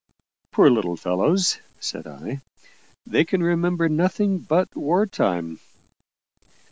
"Poor little fellows!" said I, "they can remember nothing but war time."